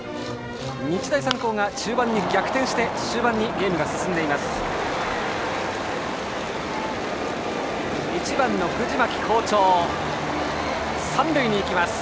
日大三高が中盤に逆転して終盤にゲームが進んでいます。